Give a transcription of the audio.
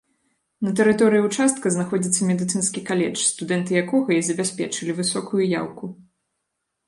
На тэрыторыі ўчастка знаходзіцца медыцынскі каледж, студэнты якога і забяспечылі высокую яўку.